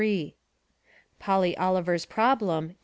Polly Oliver's Problem, 1893.